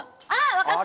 分かった！